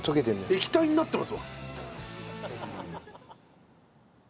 液体になってますわ。